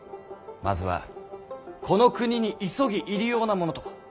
まずはこの国に急ぎ入り用なものとは？